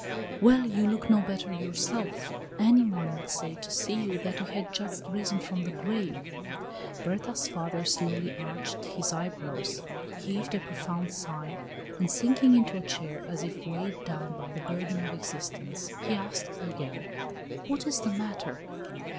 "Well, you look no better youself. Any one would say, to see you, that you had just risen from the grave." Berta's father slowly arched his eyebrows, heaved a profound sigh, and sinking into a chair, as if weighed down by the burden of existence, he asked again: "What is the matter?"